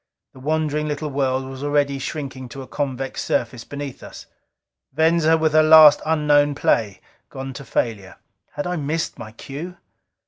The wandering little world was already shrinking to a convex surface beneath us. Venza, with her last unknown play, gone to failure. Had I missed my cue?